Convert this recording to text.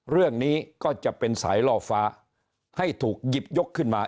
เรื่องนี้ก็จะเป็นสายล่อฟ้าให้ถูกหยิบยกขึ้นมา